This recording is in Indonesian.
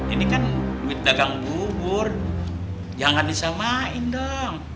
ini kan duit dagang bubur jangan disamain dong